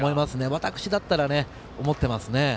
私だったら思ってますね。